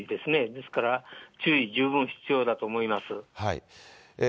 ですから注意十分必要だと思います。